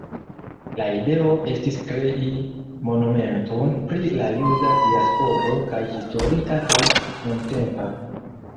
La ideo estis krei monumenton pri la juda diasporo kaj historia kaj nuntempa.